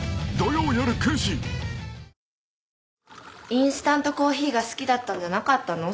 インスタントコーヒーが好きだったんじゃなかったの？